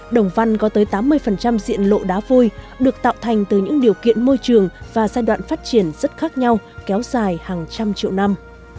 đồng văn có tới tám mươi diện lộ đá vôi được tạo thành từ những điều kiện môi trường và giai đoạn phát triển rất khác nhau kéo dài hàng trăm triệu năm